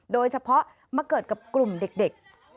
โดยเฉพาะมาเกิดกับกลุ่มเด็ก